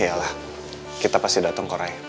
yalah kita pasti datang kok rai